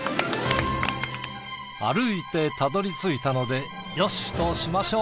歩いてたどり着いたのでよしとしましょう。